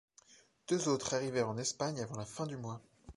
Deux autres arrivèrent en Espagne avant la fin du mois.